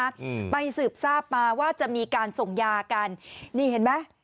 อืมไปสืบทราบมาว่าจะมีการส่งยากันนี่เห็นไหม